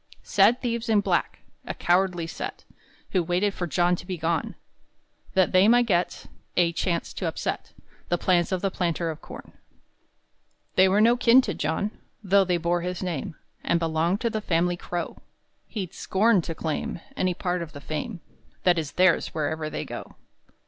Sad thieves in black, A cowardly set, Who waited for John to be gone, That they might get A chance to upset The plans of the planter of corn. They were no kin to John, Though they bore his name And belonged to the family Crow; He'd scorn to claim Any part of the fame That is theirs wherever you go.